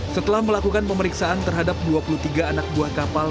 setelah melakukan pemeriksaan terhadap dua puluh tiga anak buah kapal